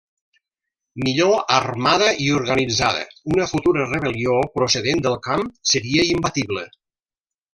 Millor armada i organitzada, una futura rebel·lió procedent del camp seria imbatible.